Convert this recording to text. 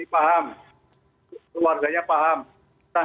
mereka selamat karena mereka punya pengetahuan